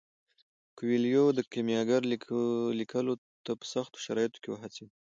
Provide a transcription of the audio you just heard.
کویلیو د کیمیاګر لیکلو ته په سختو شرایطو کې وهڅید.